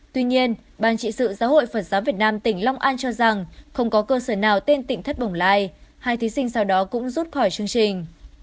tuy nhiên ban trị sự giáo hội phật giáo việt nam tỉnh long an cho rằng không có cơ sở nào tên tỉnh thất bồng lai hai thí sinh sau đó cũng rút khỏi chương trình